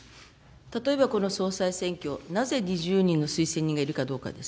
例えばこの総裁選挙、なぜ２０人の推薦人がいるかどうかです。